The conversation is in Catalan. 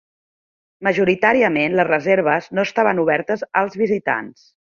Majoritàriament les reserves no estaven obertes als visitants.